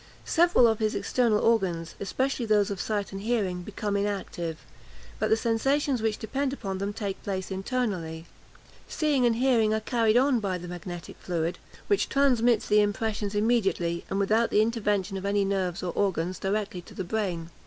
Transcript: Several of his external organs, especially those of sight and hearing, become inactive; but the sensations which depend upon them take place internally. Seeing and hearing are carried on by the magnetic fluid, which transmits the impressions immediately, and without the intervention of any nerves or organs directly to the brain.